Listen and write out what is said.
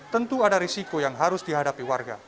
tentu ada risiko yang harus dihadapi warga